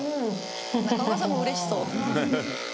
中岡さんもうれしそう。